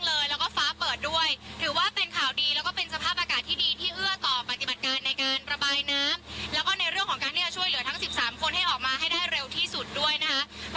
แล้วก็ในเรื่องของการเนื้อช่วยเหลือทั้ง๑๓คนให้ออกมาให้ได้เร็วที่สุดด้วยนะครับ